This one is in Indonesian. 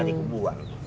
ini tadi kubuang